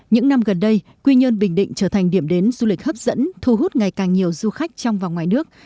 những năm gần đây quy nhơn bình định trở thành điểm đến du lịch hấp dẫn thu hút ngày càng nhiều du khách trong và ngoài nước